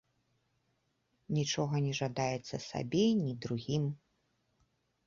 Нічога не жадаецца сабе, ні другім.